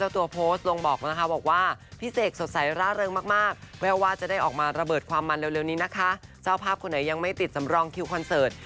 ตอนนี้นะคะเจ้าภาพคนไหนยังไม่ติดสำรองคิวคอนเสิร์ต